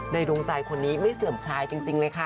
ดวงใจคนนี้ไม่เสื่อมคลายจริงเลยค่ะ